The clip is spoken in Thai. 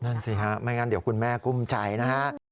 นั่นสิครับไม่งั้นเดี๋ยวคุณแม่กลุ้มใจนะครับ